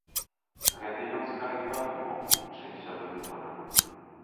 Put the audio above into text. Гэта ён скарэй падумаў, чымся выгаварыў.